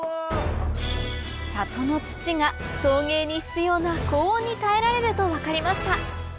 里の土が陶芸に必要な高温に耐えられると分かりました